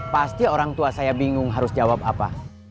pasti orang tua saya bingung harus jawab apa